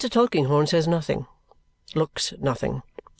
Tulkinghorn says nothing, looks nothing.